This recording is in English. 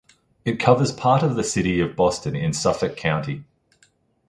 It covers part of the city of Boston in Suffolk County.